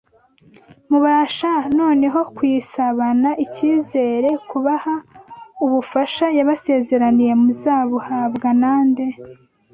mubasha noneho kuyisabana icyizere kubaha ubufasha yabasezeraniye muzabuhabwa nande